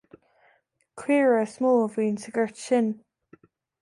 Caora is mó a bhíonn sa ghort sin.